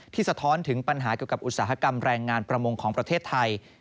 สะท้อนถึงปัญหาเกี่ยวกับอุตสาหกรรมแรงงานประมงของประเทศไทย